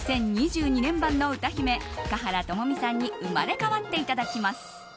年版の歌姫華原朋美さんに生まれ変わっていただきます。